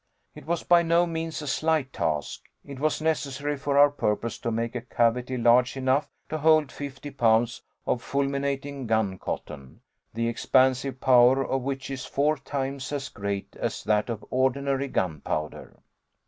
It was by no means a slight task. It was necessary for our purpose to make a cavity large enough to hold fifty pounds of fulminating gun cotton, the expansive power of which is four times as great as that of ordinary gunpowder.